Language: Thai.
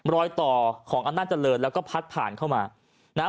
รอยต่อของอำนาจเจริญแล้วก็พัดผ่านเข้ามานะฮะ